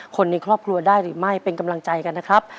คนในครอบครัวได้หรือไม่เป็นกำลังใจกันนะครับ